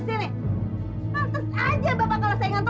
si maman udah jualan sate